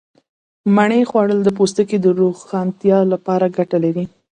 مڼې خوړل د پوستکي د روښانتیا لپاره گټه لري.